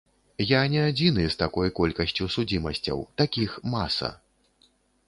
Я не адзіны з такой колькасцю судзімасцяў, такіх маса.